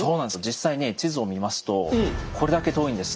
実際ね地図を見ますとこれだけ遠いんです。